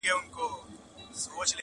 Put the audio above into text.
o د زړګي لښکر مي ټوله تار و مار دی,